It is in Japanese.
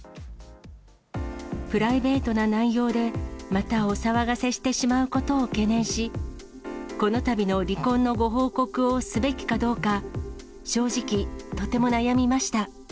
プライベートな内容で、またお騒がせしてしまうことを懸念し、このたびの離婚のご報告をすべきかどうか、正直とても悩みました。